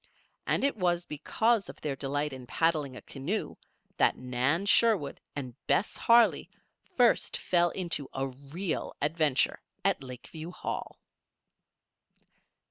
And it was because of their delight in paddling a canoe that Nan Sherwood and Bess Harley first fell into a real adventure at Lakeview Hall.